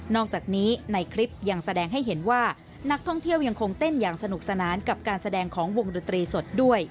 อกจากนี้ในคลิปยังแสดงให้เห็นว่านักท่องเที่ยวยังคงเต้นอย่างสนุกสนานกับการแสดงของวงดนตรีสดด้วย